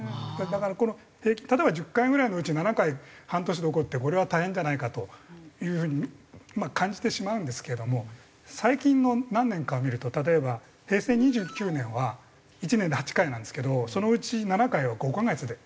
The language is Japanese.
だから例えば１０回ぐらいのうち７回半年で起こってこれは大変じゃないかという風に感じてしまうんですけども最近の何年かを見ると例えば平成２９年は１年で８回なんですけどそのうち７回は５カ月で。